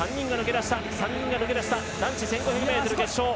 ３人が抜け出した男子１５００ｍ決勝。